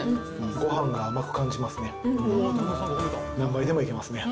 ごはんが甘く感じますね。